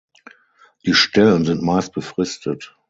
Die Stellen sind meist befristet.